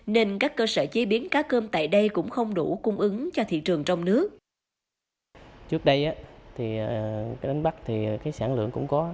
nên các cơ sở chế biến cá cơm tại đây cũng không đủ cung ứng cho thị trường trong nước